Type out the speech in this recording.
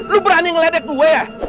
lu berani ngeledek gue ya